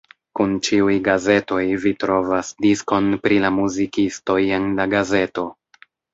Kun ĉiuj gazetoj, vi trovas diskon pri la muzikistoj en la gazeto.